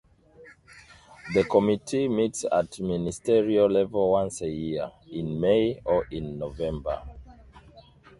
The Committee meets at ministerial level once a year, in May or in November.